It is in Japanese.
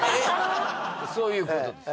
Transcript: そういう事です。